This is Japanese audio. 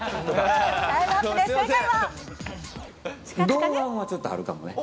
老眼はちょっとあるかもね。